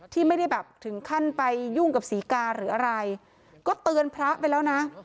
ที่ไม่ได้แบบถึงขั้นไปยุ่งกับศรีกาหรืออะไรก็เตือนพระไปแล้วนะ